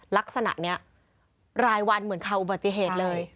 ลักษณะนี้รายวันเหมือนข่าวอุบัติเหตุเลย